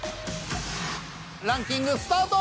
ランキングスタート。